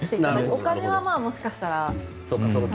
お金はもしかしたら。